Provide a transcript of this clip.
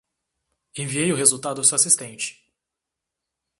Enviei o resultado a seu assistente.